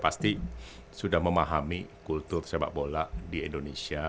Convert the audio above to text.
pasti sudah memahami kultur sepak bola di indonesia